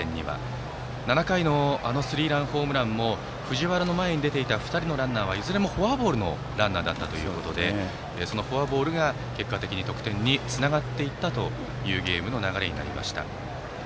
７回のあのスリーランも藤原の前に出ていた２人のランナーはいずれもフォアボールのランナーでそのフォアボールが結果的に得点につながっていったというゲームの流れになりました。